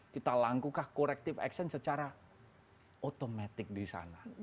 kita lakukan corrective action secara otomatik di sana